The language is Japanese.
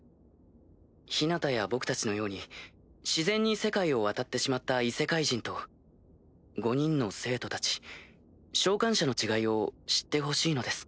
ヒナタや僕たちのように自然に世界を渡ってしまった異世界人と５人の生徒たち召喚者の違いを知ってほしいのです。